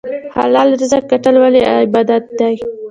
حلال رزق ګټل ولې عبادت دی؟